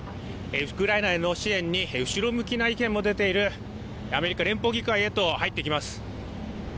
ウクライナへの支援に後ろ向きな意見も出ているアメリカ連邦議会へと入っていきます。